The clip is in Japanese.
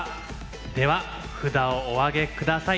では札をお上げ下さい。